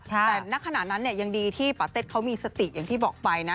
แต่ณขณะนั้นเนี่ยยังดีที่ปาเต็ดเขามีสติอย่างที่บอกไปนะ